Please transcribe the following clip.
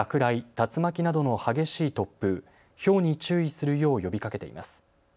竜巻などの激しい突風、ひょうに注意するよう呼びかけています。